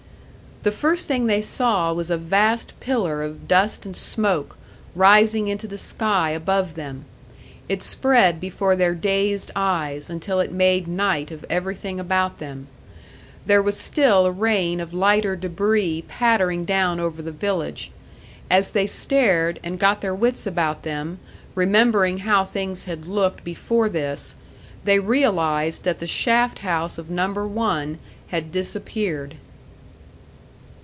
The first thing they saw was a vast pillar of dust and smoke, rising into the sky above them. It spread before their dazed eyes, until it made night of everything about them. There was still a rain of lighter debris pattering down over the village; as they stared, and got their wits about them, remembering how things had looked before this, they realised that the shaft house of Number One had disappeared.